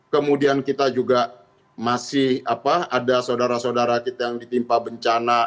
kemudian kita juga masih ada saudara saudara kita yang ditimpa bencana